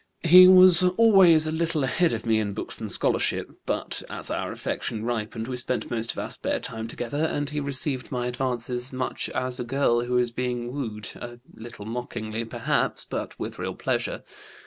He was always a little ahead of me in books and scholarship, but as our affection ripened we spent most of our spare time together, and he received my advances much as a girl who is being wooed, a little mockingly, perhaps, but with real pleasure.